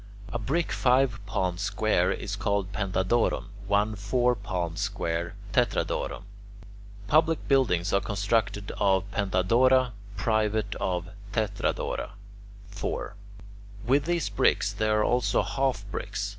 A brick five palms square is called "pentadoron"; one four palms square "tetradoron." Public buildings are constructed of [Greek: pentadora], private of [Greek: tetradora]. 4. With these bricks there are also half bricks.